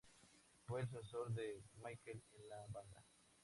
Fue el sucesor de Mikel en la banda.